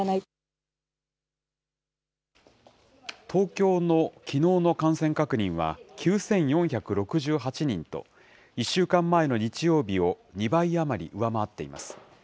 東京のきのうの感染確認は９４６８人と、１週間前の日曜日を２倍余り上回っています。